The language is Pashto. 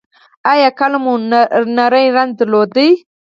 ایا کله مو نری رنځ درلود؟